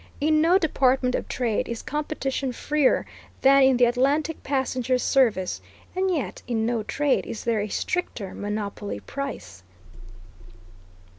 In no department of trade is competition freer than in the Atlantic passenger service, and yet in no trade is there a stricter monopoly price.